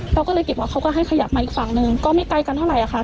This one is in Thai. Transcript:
เราก็เลยเก็บว่าเขาก็ให้ขยับมาอีกฝั่งหนึ่งก็ไม่ไกลกันเท่าไหร่ค่ะ